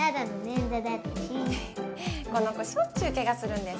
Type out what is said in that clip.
この子しょっちゅう怪我するんです。